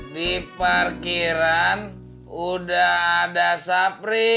di parkiran udah ada sapri